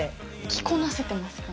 着こなせてますか？